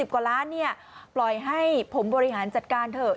กว่าล้านปล่อยให้ผมบริหารจัดการเถอะ